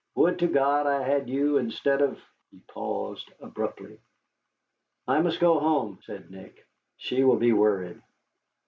Would to God I had you instead of " He paused abruptly. "I must go home," said Nick; "she will be worried."